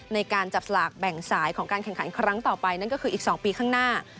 ในการจับสลากแบ่งสายของการแข่งขันครั้งต่อไปนั่นก็คืออีก๒ปีข้างหน้า